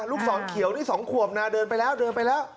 ลูกศรเขียวนี่๒ขวบนะเดินไปแล้วเดินไปแล้ว